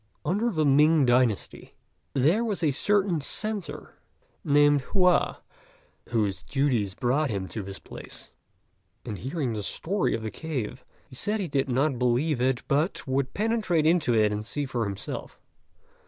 Under the Ming dynasty, there was a certain Censor, named Hua, whose duties brought him to this place; and hearing the story of the cave, he said he did not believe it, but would penetrate into it and see for himself.